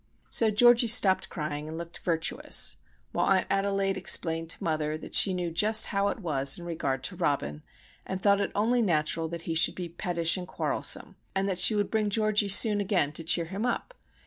So Georgie stopped crying and looked virtuous; while Aunt Adelaide explained to mother that she knew just how it was in regard to Robin, and thought it only natural that he should be pettish and quarrelsome, and that she would bring Georgie soon again to cheer him up!